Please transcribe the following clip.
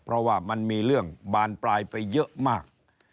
เพราะว่ามันมีเรื่องบานปลายไปเยอะมาก